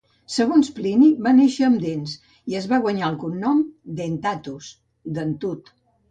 Segons Pliny, va néixer amb dents, i es va guanyar el "cognom" Dentatus (dentut).